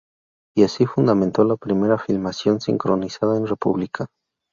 Y así se fundamentó la primera filmación sincronizada en república.